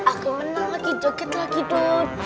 aku menang lagi joget lagi dok